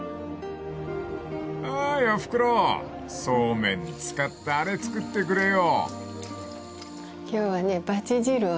［おーいおふくろそうめん使ったあれ作ってくれよ］